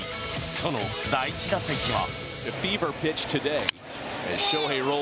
その第１打席は。